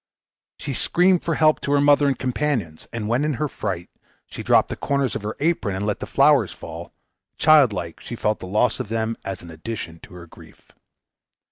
She screamed for help to her mother and companions; and when in her fright she dropped the corners of her apron and let the flowers fall, childlike she felt the loss of them as an addition to her grief.